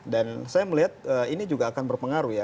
dan saya melihat ini juga akan berpengaruh ya